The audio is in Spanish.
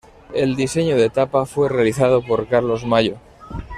El diseño de tapa fue realizado por Carlos Mayo.